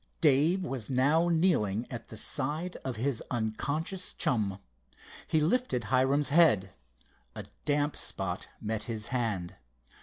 Dave was now kneeling at the side of his unconscious chum. He lifted Hiram's head. A damp spot met his hand.